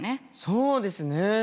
そうですね。